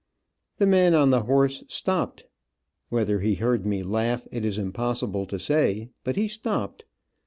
The man on the horse stopped. Whether he heard me laugh it is impossible to say, but he stopped.